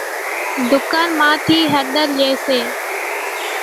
ڌُڪان مان ٿي ھۮر لئي سي،